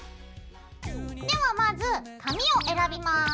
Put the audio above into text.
ではまず紙を選びます。